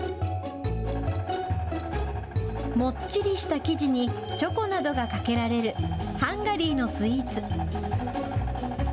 もっちりした生地にチョコなどがかけられるハンガリーのスイーツ。